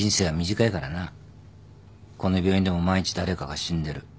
この病院でも毎日誰かが死んでる。